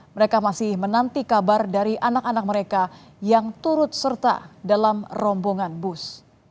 mereka masih menanti kabar dari anak anak mereka yang turut serta dalam rombongan bus